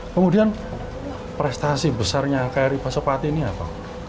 kemudian prestasi besarnya kri pasopati ini apa